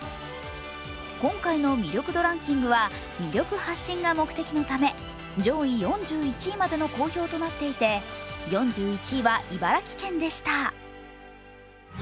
今回の魅力度ランキングは魅力発信が目的のため上位４１位までの公表となっていて４１位は茨城県でした。